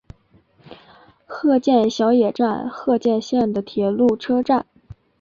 鹤见小野站鹤见线的铁路车站。